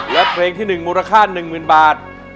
และเพลงที่๑มูลค่า๑๐๐๐บาท